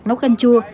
nấu canh chua